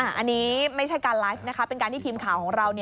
อันนี้ไม่ใช่การไลฟ์นะคะเป็นการที่ทีมข่าวของเรา